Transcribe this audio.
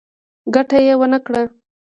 ګټه يې ونکړه.